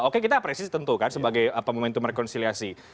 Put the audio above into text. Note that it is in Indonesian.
oke kita apresiasi tentu kan sebagai momentum rekonsiliasi